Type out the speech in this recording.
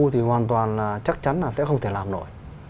thì hoàn toàn chắc chắn là sẽ không thể làm nổi